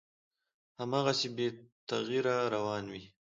هماغسې بې تغییره روان وي،